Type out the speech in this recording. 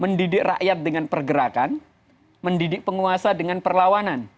mendidik rakyat dengan pergerakan mendidik penguasa dengan perlawanan